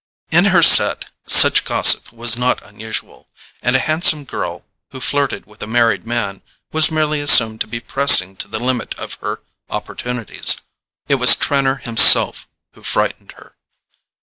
In her set such gossip was not unusual, and a handsome girl who flirted with a married man was merely assumed to be pressing to the limit of her opportunities. It was Trenor himself who frightened her.